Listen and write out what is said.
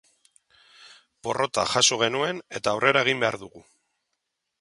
Porrota jaso genuen eta aurrera egin behar dugu.